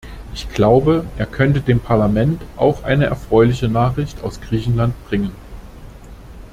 Ich glaube, er könnte dem Parlament auch eine erfreuliche Nachricht aus Griechenland bringen.